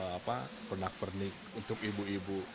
apa pernak pernik untuk ibu ibu